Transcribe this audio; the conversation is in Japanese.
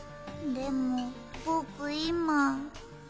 でもぼくいま。